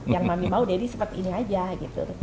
yang mami mao deddy seperti ini aja gitu